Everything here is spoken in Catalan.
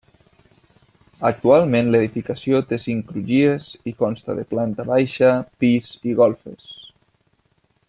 Actualment l'edificació té cinc crugies i consta de planta baixa, pis i golfes.